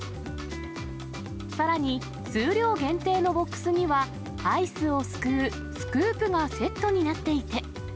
さらに、数量限定のボックスには、アイスをすくうスクープがセットになっていて。